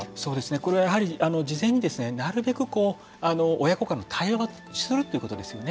これはやはり事前になるべく親子間で対話するということですね。